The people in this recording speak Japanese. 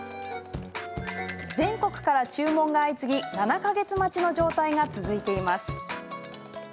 全国から注文が相次ぎ７か月待ちの状態が続いています。